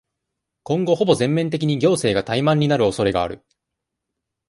今後、ほぼ全面的に、行政が怠慢になる恐れがある。